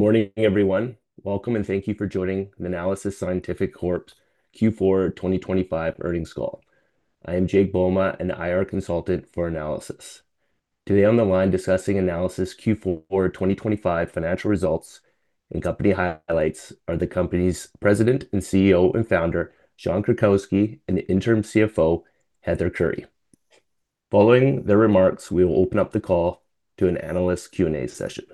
Good morning, everyone. Welcome, and thank you for joining the Nanalysis Scientific Corp.'s Q4 2025 earnings call. I am Jake Bouma, an IR Consultant for Nanalysis. Today on the line discussing Nanalysis Q4 2025 financial results and company highlights are the company's President and CEO and Founder, Sean Krakiwsky, and the Interim CFO, Heather Kury. Following their remarks, we will open up the call to an analyst Q&A session.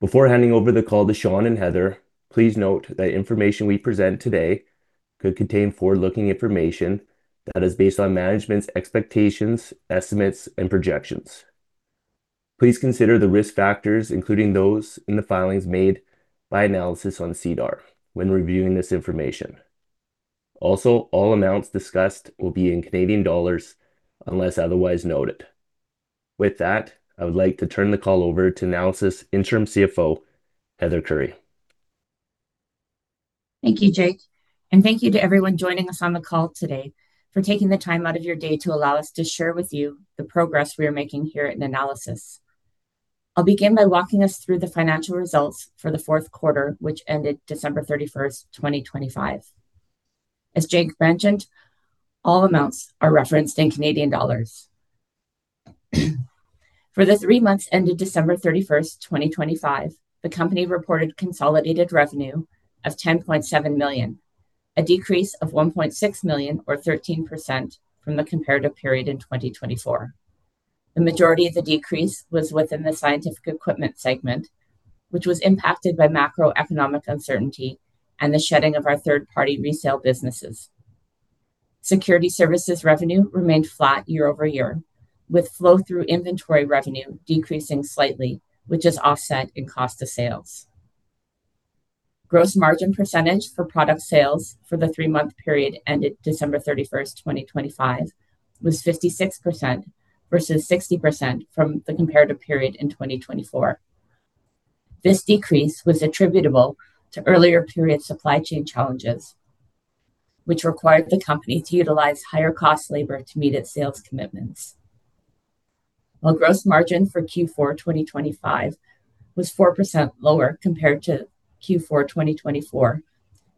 Before handing over the call to Sean and Heather, please note that information we present today could contain forward-looking information that is based on management's expectations, estimates, and projections. Please consider the risk factors, including those in the filings made by Nanalysis on SEDAR when reviewing this information. Also, all amounts discussed will be in Canadian dollars unless otherwise noted. With that, I would like to turn the call over to Nanalysis Interim CFO, Heather Kury. Thank you, Jake, and thank you to everyone joining us on the call today for taking the time out of your day to allow us to share with you the progress we are making here at Nanalysis. I'll begin by walking us through the financial results for the fourth quarter, which ended December 31st, 2025. As Jake mentioned, all amounts are referenced in Canadian dollars. For the three months ended December 31st, 2025, the company reported consolidated revenue of 10.7 million, a decrease of 1.6 million or 13% from the comparative period in 2024. The majority of the decrease was within the Scientific Equipment segment, which was impacted by macroeconomic uncertainty and the shedding of our third-party resale businesses. Security Services revenue remained flat year-over-year, with flow through inventory revenue decreasing slightly, which is offset in cost of sales. Gross margin percentage for product sales for the three-month period ended December 31st, 2025, was 56% versus 60% from the comparative period in 2024. This decrease was attributable to earlier period supply chain challenges, which required the company to utilize higher cost labor to meet its sales commitments. While gross margin for Q4 2025 was 4% lower compared to Q4 2024,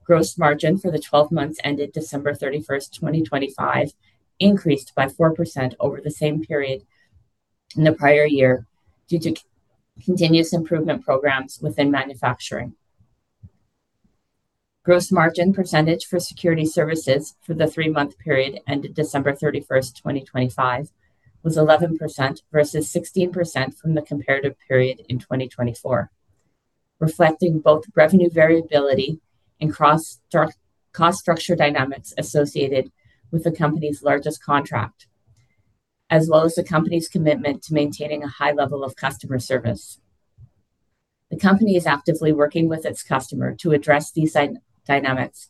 gross margin for the 12 months ended December 31st, 2025, increased by 4% over the same period in the prior year due to continuous improvement programs within manufacturing. Gross margin percentage for Security Services for the three-month period ended December 31st, 2025, was 11% versus 16% from the comparative period in 2024, reflecting both revenue variability and cost structure dynamics associated with the company's largest contract, as well as the company's commitment to maintaining a high level of customer service. The company is actively working with its customer to address these dynamics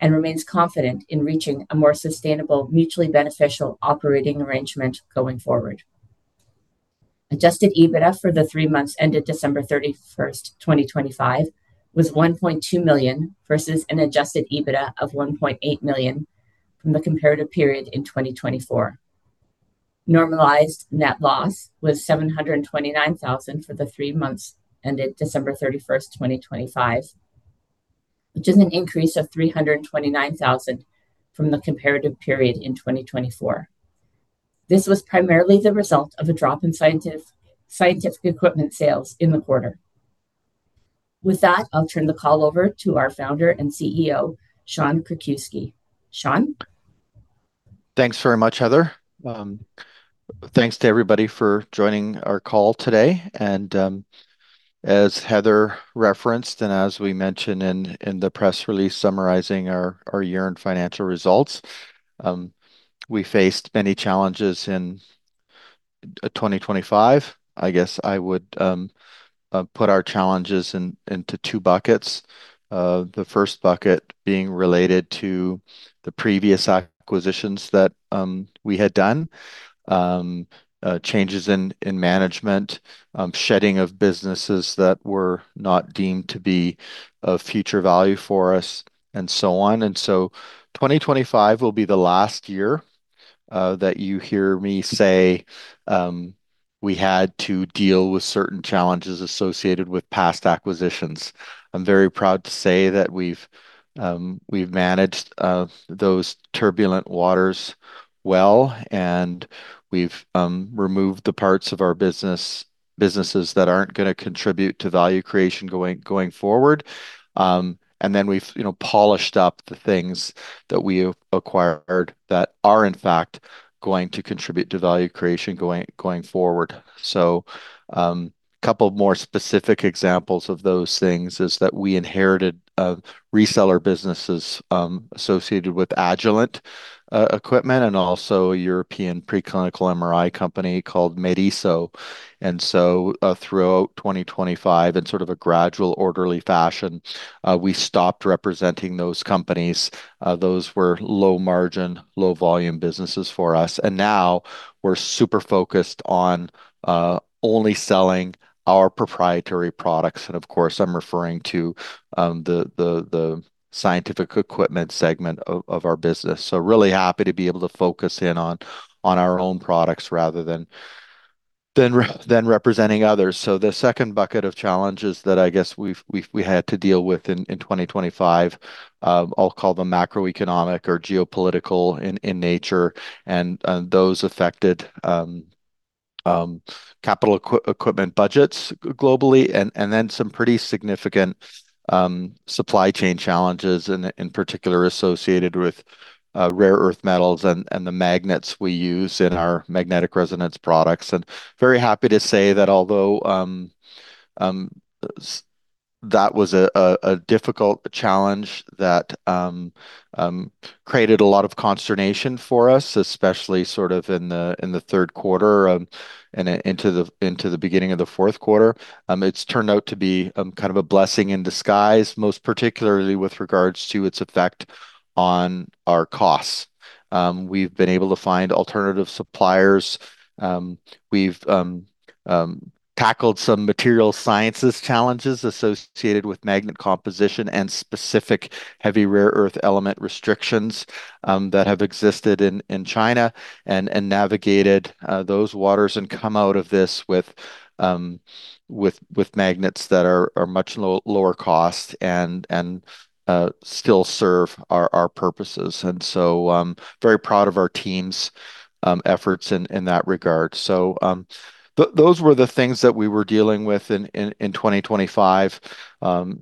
and remains confident in reaching a more sustainable, mutually beneficial operating arrangement going forward. Adjusted EBITDA for the three months ended December 31st, 2025, was 1.2 million versus an adjusted EBITDA of 1.8 million from the comparative period in 2024. Normalized net loss was 729,000 for the three months ended December 31st, 2025, which is an increase of 329,000 from the comparative period in 2024. This was primarily the result of a drop in Scientific Equipment sales in the quarter. With that, I'll turn the call over to our Founder and CEO, Sean Krakiwsky. Sean? Thanks very much, Heather. Thanks to everybody for joining our call today. As Heather referenced, and as we mentioned in the press release summarizing our year-end financial results, we faced many challenges in 2025. I guess I would put our challenges into two buckets. The first bucket being related to the previous acquisitions that we had done, changes in management, shedding of businesses that were not deemed to be of future value for us, and so on. 2025 will be the last year that you hear me say we had to deal with certain challenges associated with past acquisitions. I'm very proud to say that we've managed those turbulent waters well, and we've removed the parts of our businesses that aren't going to contribute to value creation going forward. Then we've polished up the things that we have acquired that are in fact going to contribute to value creation going forward. Couple of more specific examples of those things is that we inherited reseller businesses associated with Agilent equipment and also a European preclinical MRI company called Mediso. Throughout 2025, in sort of a gradual, orderly fashion, we stopped representing those companies. Those were low margin, low volume businesses for us. Now we're super focused on only selling our proprietary products. Of course, I'm referring to the Scientific Equipment segment of our business. Really happy to be able to focus in on our own products rather than representing others. The second bucket of challenges that I guess we've had to deal with in 2025, I'll call them macroeconomic or geopolitical in nature, and those affected capital equipment budgets globally, and then some pretty significant supply chain challenges, in particular associated with rare earth metals and the magnets we use in our magnetic resonance products. Very happy to say that although that was a difficult challenge that created a lot of consternation for us, especially sort of in the third quarter and into the beginning of the fourth quarter, it's turned out to be kind of a blessing in disguise, most particularly with regards to its effect on our costs. We've been able to find alternative suppliers. We've tackled some material sciences challenges associated with magnet composition and specific heavy rare earth element restrictions that have existed in China, and navigated those waters and come out of this with magnets that are much lower cost and still serve our purposes. Very proud of our team's efforts in that regard. Those were the things that we were dealing with in 2025.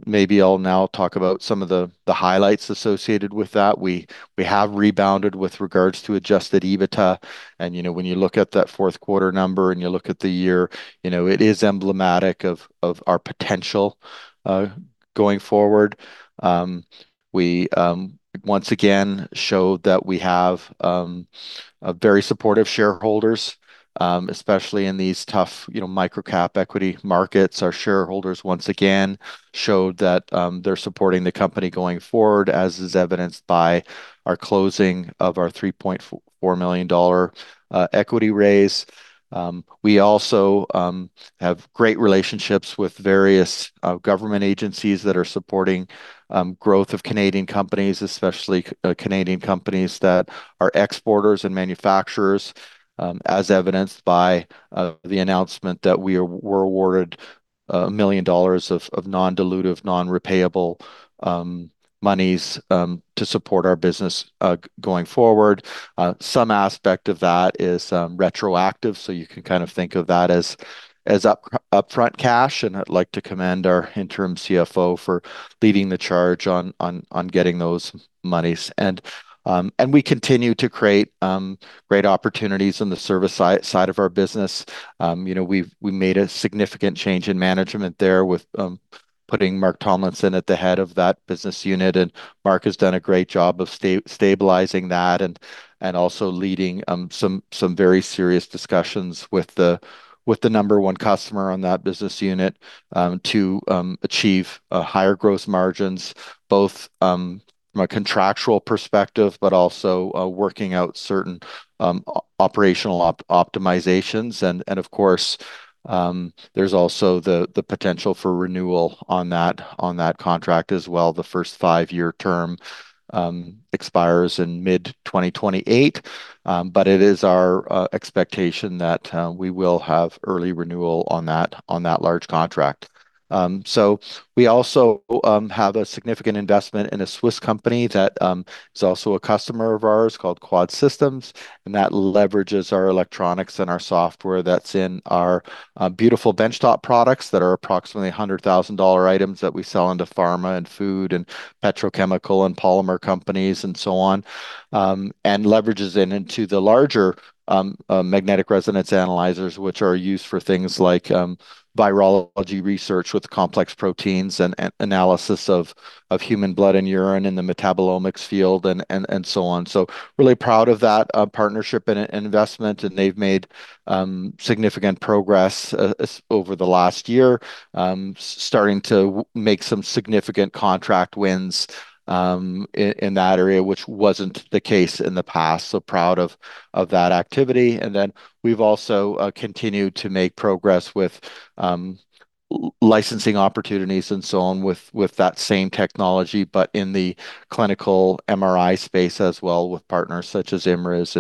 Maybe I'll now talk about some of the highlights associated with that. We have rebounded with regards to Adjusted EBITDA, and when you look at that fourth quarter number and you look at the year, it is emblematic of our potential going forward. We once again showed that we have very supportive shareholders, especially in these tough micro-cap equity markets. Our shareholders once again showed that they're supporting the company going forward, as is evidenced by our closing of our 3.4 million dollar equity raise. We also have great relationships with various government agencies that are supporting growth of Canadian companies, especially Canadian companies that are exporters and manufacturers, as evidenced by the announcement that we were awarded 1 million dollars of non-dilutive, non-repayable monies to support our business going forward. Some aspect of that is retroactive, so you can kind of think of that as upfront cash, and I'd like to commend our Interim CFO for leading the charge on getting those monies. We continue to create great opportunities in the service side of our business. We made a significant change in management there with putting Mark Tomlinson at the head of that business unit, and Mark has done a great job of stabilizing that and also leading some very serious discussions with the number one customer on that business unit to achieve higher gross margins, both from a contractual perspective, but also working out certain operational optimizations. Of course, there's also the potential for renewal on that contract as well. The first five-year term expires in mid-2028, but it is our expectation that we will have early renewal on that large contract. We also have a significant investment in a Swiss company that is also a customer of ours, called QUAD Systems, and that leverages our electronics and our software that's in our beautiful benchtop products that are approximately 100,000 dollar items that we sell into pharma and food and petrochemical and polymer companies, and so on, and leverages it into the larger magnetic resonance analyzers, which are used for things like virology research with complex proteins and analysis of human blood and urine in the metabolomics field, and so on. Really proud of that partnership and investment, and they've made significant progress over the last year, starting to make some significant contract wins in that area, which wasn't the case in the past. Proud of that activity. Then we've also continued to make progress with licensing opportunities and so on with that same technology, but in the clinical MRI space as well with partners such as IMRIS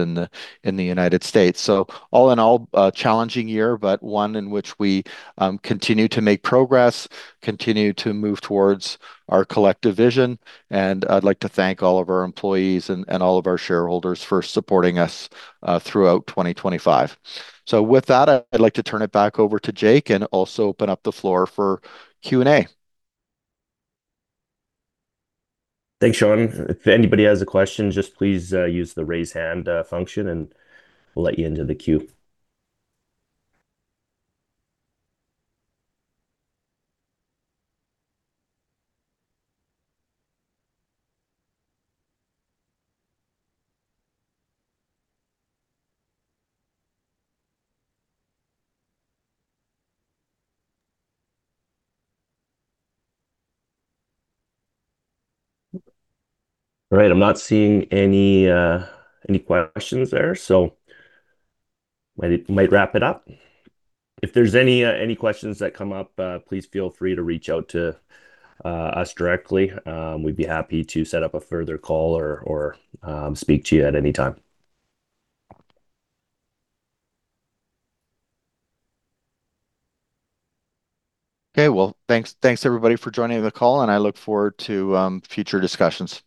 in the United States. All in all, a challenging year, but one in which we continue to make progress, continue to move towards our collective vision, and I'd like to thank all of our employees and all of our shareholders for supporting us throughout 2025. With that, I'd like to turn it back over to Jake and also open up the floor for Q&A. Thanks, Sean. If anybody has a question, just please use the Raise Hand function, and we'll let you into the queue. All right, I'm not seeing any questions there, so we might wrap it up. If there's any questions that come up, please feel free to reach out to us directly. We'd be happy to set up a further call or speak to you at any time. Okay. Well, thanks everybody for joining the call, and I look forward to future discussions.